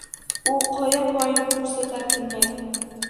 U qoya poyini ko’rsatar tinmay.